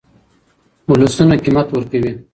ولسونه قیمت ورکوي.